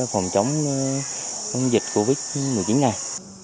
phòng chống dịch covid một mươi chín này